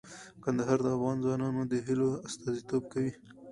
کندهار د افغان ځوانانو د هیلو استازیتوب کوي.